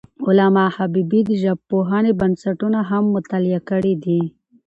علامه حبیبي د ژبپوهنې بنسټونه هم مطالعه کړي دي.